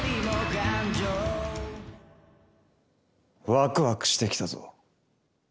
ワクワクしてきたぞ。